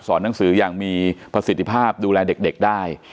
หนังสืออย่างมีประสิทธิภาพดูแลเด็กได้